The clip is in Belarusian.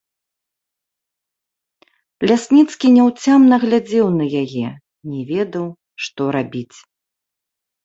Лясніцкі няўцямна глядзеў на яе, не ведаў, што рабіць.